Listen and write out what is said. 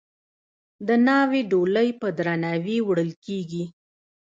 د ناوې ډولۍ په درناوي وړل کیږي.